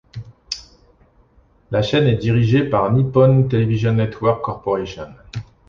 La chaîne est dirigée par Nippon Television Network Corporation.